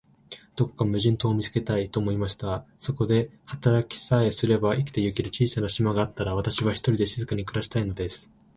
どこか無人島を見つけたい、と思いました。そこで働きさえすれば、生きてゆける小さな島があったら、私は、ひとりで静かに暮したいのです。